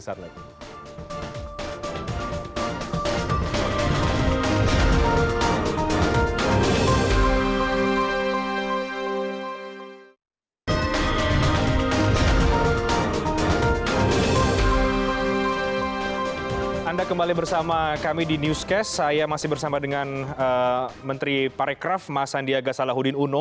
anda kembali bersama kami di newscast saya masih bersama dengan menteri parikraf mas sandiaga salahuddin uno